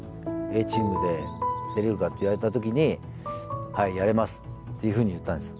「Ａチームで出れるか？」って言われた時に「はいやれます」っていうふうに言ったんです。